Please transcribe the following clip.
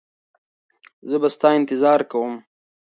زه به ستا انتظار کوم.